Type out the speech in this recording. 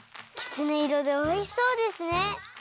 きつねいろでおいしそうですね！